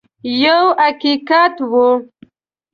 یو حقیقت وو.